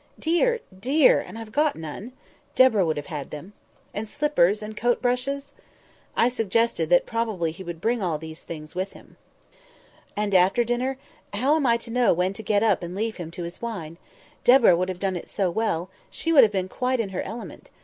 Dear! dear! and I've got none. Deborah would have had them. And slippers, and coat brushes?" I suggested that probably he would bring all these things with him. "And after dinner, how am I to know when to get up and leave him to his wine? Deborah would have done it so well; she would have been quite in her element.